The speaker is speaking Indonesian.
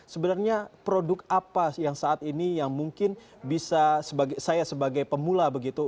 sebenarnya produk apa yang saat ini yang mungkin bisa saya sebagai pemula begitu